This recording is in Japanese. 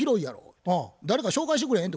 誰か紹介してくれへん？」